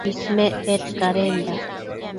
Ismec bedcadenda